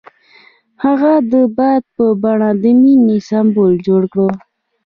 هغه د باد په بڼه د مینې سمبول جوړ کړ.